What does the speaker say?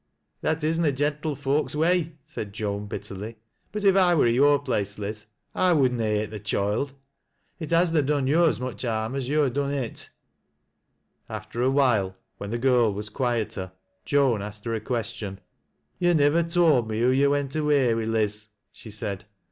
That is na gentlefolks' way," said Joan bitterly, " biif if 1 war i' yo're place, Liz, I would na hate th' coild. J I 'i:is na done yo' as much harm as yo' ha done it." After a while, when the girl was quieter, Joan asked hei a question. " You nivver told me who yo' went away wi', Liz," she said.